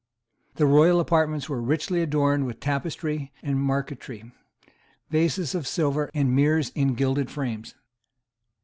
The royal apartments were richly adorned with tapestry and marquetry, vases of silver and mirrors in gilded frames.